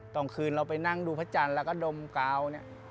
ตอนคืนเราไปนั่งดูพระจันทร์แล้วก็ดมกาวเนี่ย